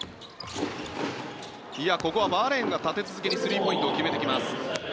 ここはバーレーンが立て続けにスリーポイントを決めてきます。